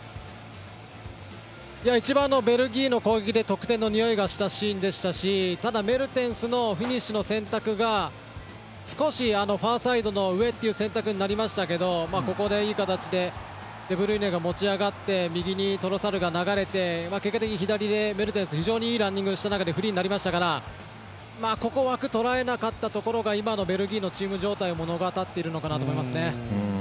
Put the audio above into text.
一番ベルギーの攻撃で得点のにおいがしたシーンでしたしただメルテンスのフィニッシュの選択が少しファーサイドの上という選択になりましたけどここでいい形でデブルイネが持ち上がって右にトロサールが流れて、結果的に左でメルテンス、非常にいいランニングでフリーになりましたからここ、枠を捉えなかったところが今のベルギーのチーム状態を物語ってるのかなと思いますね。